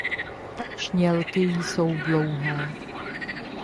Čnělky jsou dlouhé.